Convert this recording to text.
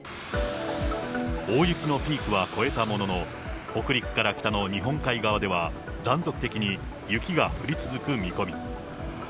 大雪のピークは越えたものの、北陸から北の日本海側では、断続的に雪が降り続く見込み。